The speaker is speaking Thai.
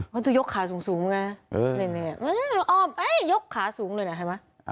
มันจะยกขาสูงไงยกขาสูงเลยนะ